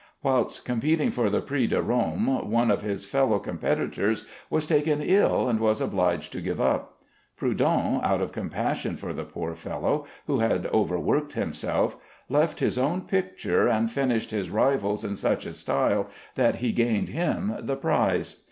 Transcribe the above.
Whilst competing for the prix de Rome, one of his fellow competitors was taken ill and was obliged to give up. Prudhon, out of compassion for the poor fellow, who had overworked himself, left his own picture and finished his rival's in such a style that he gained him the prize.